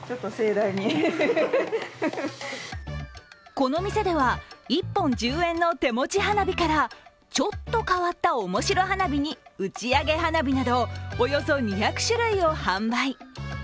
この店では１本１０円の手持ち花火から、ちょっと変わったおもしろ花火に打ち上げ花火など、およそ２００種類を販売。